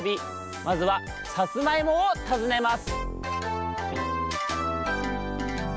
まずは「さつまいも」をたずねます！